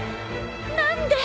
何で。